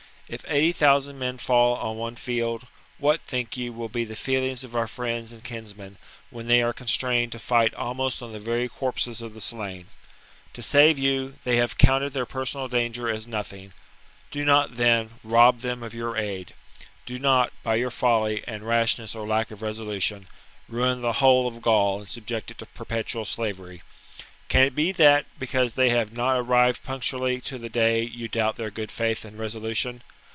If eighty thousand men fall on one field, what, think you, will be the feelings of our friends and kinsmen, when they are constrained to fight almost on the very corpses of the slain ? To save you, they have counted their personal danger as nothing ; do not, then, rob them of your aid ; do not, by your folly and rashness or lack of resolution, ruin the whole of Gaul and subject it to perpetual slavery. Can it be that, because they have not arrived punctu ally to the day, you doubt their good faith and resolution